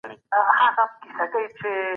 ښځي بايد په نورو ښځو ملنډي ونه وهي.